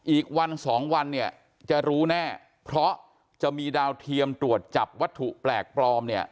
อีกวันสองวันเนี่ยจะรู้แน่เพราะจะมีดาวเทียมตรวจจับวัตถุแปลกปลอมเนี่ย